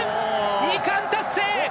２冠達成！